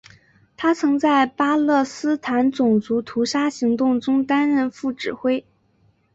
他曾在巴勒斯坦种族屠杀行动中担任副指挥。